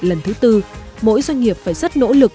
lần thứ tư mỗi doanh nghiệp phải rất nỗ lực